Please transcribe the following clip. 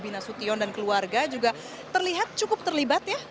bobby nasution dan keluarga juga terlihat cukup terlibat ya